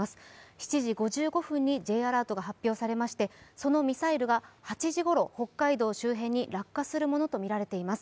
７時５５分にＪアラートが発表されましてそのミサイルが８時ごろ、北海道周辺に落下するものとみられています。